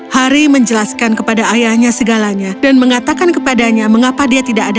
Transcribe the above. hari menjelaskan kepada ayahnya segalanya dan mengatakan kepadanya mengapa dia tidak ada